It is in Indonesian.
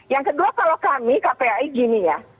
yang kedua kalau kami kpai gini ya